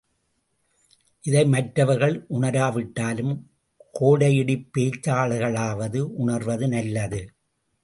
இதை மற்றவர்கள் உணராவிட்டாலும் கோடையிடிப் பேச்சாளர்களாவது உணர்வது நல்லது!